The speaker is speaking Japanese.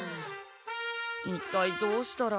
一体どうしたら。